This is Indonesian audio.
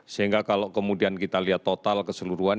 sehingga kalau kemudian kita lihat total keseluruhan